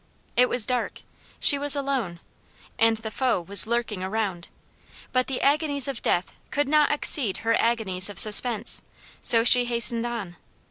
It was dark; she was alone; and the foe was lurking around; but the agonies of death could not exceed her agonies of suspense; so she hastened on.